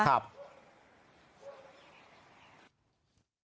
ครับ